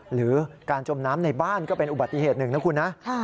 หรือการจมน้ำในบ้านก็เป็นอุบัติเหตุหนึ่งนะคุณนะ